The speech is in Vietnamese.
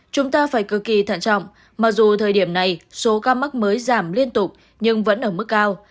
chúng ta phải cực kỳ thận trọng mặc dù thời điểm này số ca mắc mới giảm liên tục nhưng vẫn ở mức cao